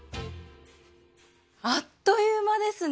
あっという間ですね。